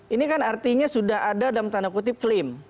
ini kan artinya sudah ada dalam tanda kutip klaim